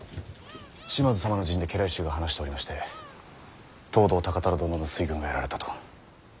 島津様の陣で家来衆が話しておりまして藤堂高虎殿の水軍がやられたと。